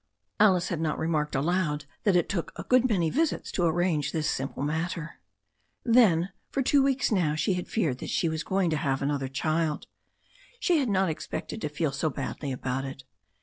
Alice had not remarked aloud that it took a good many visits to arrange this simple matter. Then, for two weeks now, she had feared that she was going to have another child. She had not expected to feel THE STORY OF A NEW ZEALAND RIVER 113 so badly about it.